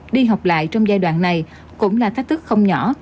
đi học lại trong giai đoạn này cũng là thách thức không nhỏ